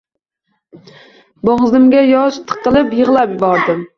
Bo`g`zimga yosh tiqilib yig`lab yubordim